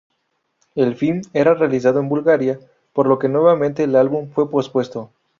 El film era realizado en Bulgaria, por lo que nuevamente el álbum fue pospuesto.